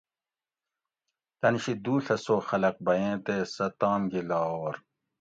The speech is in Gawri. تن شی دُو ڷہ سو خلق بۤئیں تے سہ تام گی لاہور